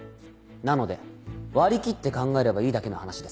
なので割り切って考えればいいだけの話です。